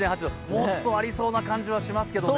もっとありそうな感じはしますけどね。